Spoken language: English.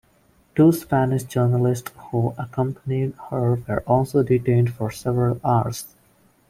Two Spanish journalists who had accompanied her were also detained for several hours.